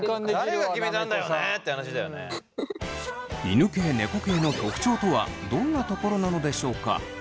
犬系・猫系の特徴とはどんなところなのでしょうか。